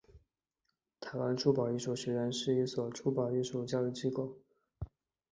台湾珠宝艺术学院是一所珠宝艺术教育机构。